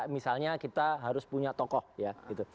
misalnya kita harus punya tokoh ya gitu